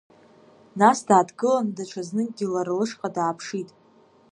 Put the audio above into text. Нас дааҭгылан, даҽазныкгьы лара лышҟа дааԥшит.